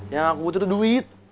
yang aku butuh duit